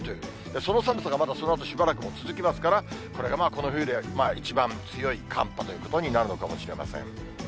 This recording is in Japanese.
その寒さがまだそのあともしばらく続きますから、これがまあ、この冬では一番強い寒波ということになるのかもしれません。